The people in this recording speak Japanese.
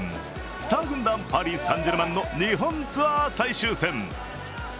スター軍団、パリ・サン＝ジェルマンの日本ツアー最終戦。